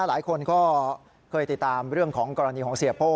หลายคนก็เคยติดตามเรื่องของกรณีของเสียโป้